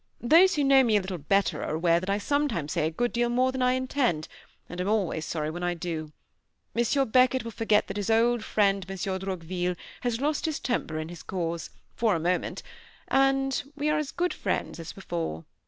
Those who know me a little better are aware that I sometimes say a good deal more than I intend; and am always sorry when I do. Monsieur Beckett will forget that his old friend Monsieur Droqville has lost his temper in his cause, for a moment, and we are as good friends as before."